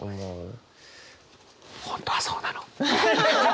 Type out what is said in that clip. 本当はそうなの。